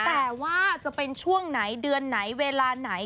แต่ว่าจะเป็นช่วงไหนเดือนไหนเวลาไหน